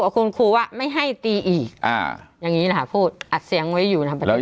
คุณครูว่าไม่ให้ตีอีกอย่างนี้นะคะพูดอัดเสียงไว้อยู่นะ